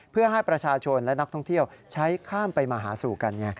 เพื่อให้ประชาชนและนักท่องเที่ยวใช้ข้ามไปมาหาสู่กัน